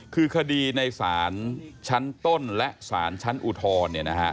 คือคดีในศาลชั้นต้นและสารชั้นอุทธรณ์